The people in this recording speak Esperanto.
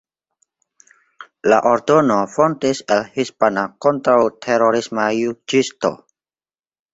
La ordono fontis el hispana kontraŭterorisma juĝisto.